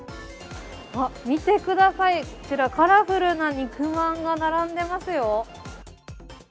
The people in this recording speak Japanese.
見てください、こちらカラフルな肉まんが並んでいますよ。